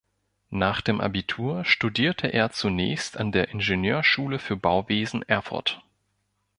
Nach dem Abitur studierte er zunächst an der Ingenieurschule für Bauwesen Erfurt.